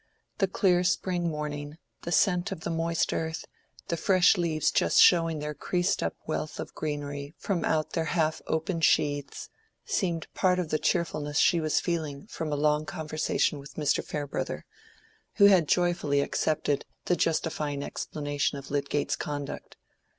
The clear spring morning, the scent of the moist earth, the fresh leaves just showing their creased up wealth of greenery from out their half opened sheaths, seemed part of the cheerfulness she was feeling from a long conversation with Mr. Farebrother, who had joyfully accepted the justifying explanation of Lydgate's conduct.